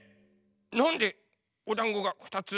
なんでおだんごがふたつ？